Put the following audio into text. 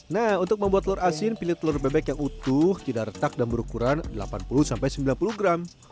nah untuk membuat telur asin pilih telur bebek yang utuh tidak retak dan berukuran delapan puluh sembilan puluh gram